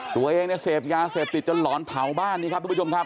ตัวเองเนี่ยเสพยาเสพติดจนหลอนเผาบ้านนี้ครับทุกผู้ชมครับ